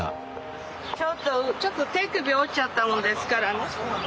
ちょっと手首折っちゃったものですからね。